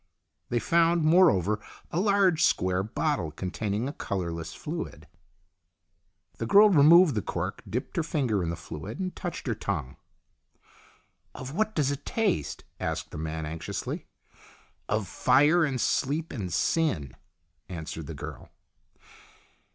They found, moreover, a large square bottle, containing a colourless fluid. The girl removed the cork, dipped her finger in the fluid, and touched her tongue. "Of what does it taste?" asked the man, anxiously. " Of fire and sleep and sin," answered the girl.